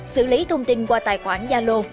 xử lý thông tin qua tài khoản gia lô